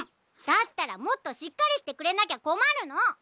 だったらもっとしっかりしてくれなきゃこまるの！